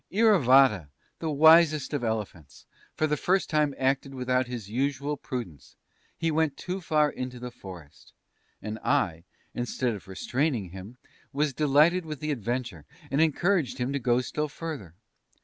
Iravata, the wisest of elephants, for the first time acted without his usual prudence; he went too far into the forest, and I, instead of restraining him, was delighted with the adventure, and encouraged Him to go still further.